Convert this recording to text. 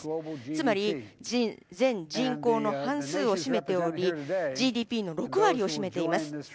つまり全人口の半数を占めておりＧＤＰの６割を占めています。